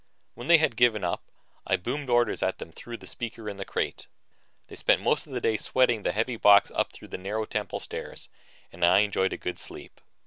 When they had given up, I boomed orders at them through a speaker in the crate. They spent most of the day sweating the heavy box up through the narrow temple stairs and I enjoyed a good sleep.